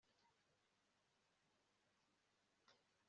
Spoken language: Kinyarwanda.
kurwanya ubukene mu ngengo y'imari ya leta